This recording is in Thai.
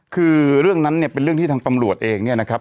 คือเรื่องนั้นเนี่ยเป็นเรื่องที่ทางตำรวจเองเนี่ยนะครับ